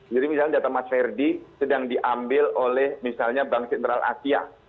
jadi misalnya data mas verdi sedang diambil oleh misalnya bank sentral asia